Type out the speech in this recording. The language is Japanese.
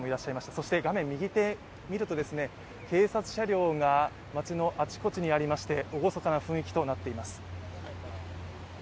そして画面右手見ると、警察車両が街のあちこちにありまして厳かな雰囲気となっています。